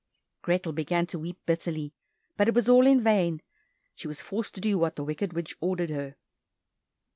Grethel began to weep bitterly, but it was all in vain, she was forced to do what the wicked witch ordered her.